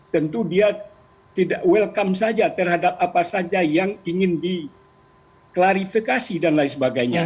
tentu dia tidak welcome saja terhadap apa saja yang ingin diklarifikasi dan lain sebagainya